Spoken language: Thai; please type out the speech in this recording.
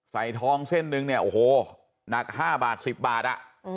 ใส่ทองเส้นหนึ่งเนี่ยโอ้โหหนัก๕บาท๑๐บาท